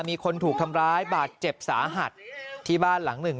มีคนถูกทำร้ายบาดเจ็บสาหัสที่บ้านหลังหนึ่ง